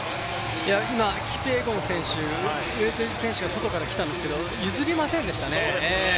今キピエゴン選手、ウェルテジ選手が外から来たんですけれども、譲りませんでしたね。